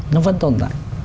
nó vẫn tồn tại